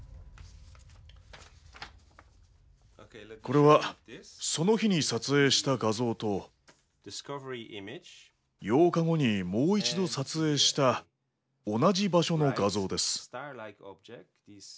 これはその日に撮影した画像と８日後にもう一度撮影した同じ場所の画像です。